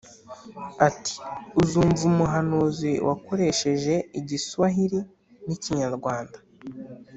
ati “uzumva umuhanzi wakoresheje igiswahili n’ikinyarwanda